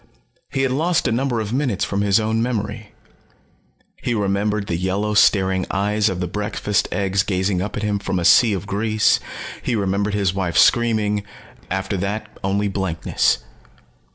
He had lost a number of minutes from his own memory. He remembered the yellow staring eyes of the breakfast eggs gazing up at him from a sea of grease. He remembered his wife screaming after that only blankness.